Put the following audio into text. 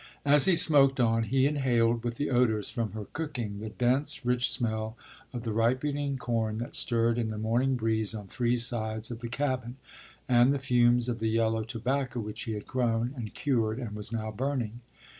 As he smoked on he inhaled with the odors from her cooking the dense rich smell of the ripening corn that stirred in the morning breeze on three sides of the cabin, and the fumes of the yellow tobacco which he had grown, and cured, and was now burning.